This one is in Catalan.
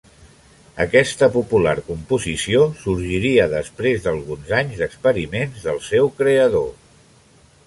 Aquesta popular composició sorgiria després d'alguns anys d'experiments del seu creador.